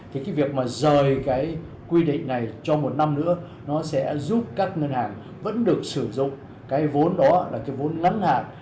thì việc rời quy định này cho một năm nữa sẽ giúp các ngân hàng vẫn được sử dụng vốn ngắn hạn